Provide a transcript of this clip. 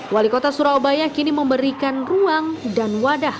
wali kota surabaya kini memberikan ruang dan wadah